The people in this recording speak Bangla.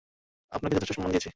আপনাকে যথেষ্ট সম্মান দিয়েছি।